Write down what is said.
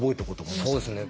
そうですね。